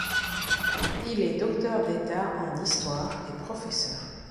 Il est docteur d'État en histoire et professeur.